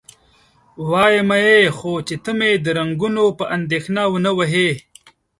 وایمه یې، خو چې ته مې د رنګونو په اندېښنه و نه وهې؟